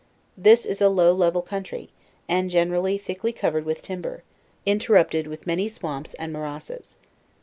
This is a low level country, and gener ally thickly covered with timber, interupted with many r/T i LEWIS AND CL\RKE. 13:> swamps and morasses.